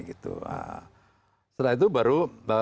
setelah itu baru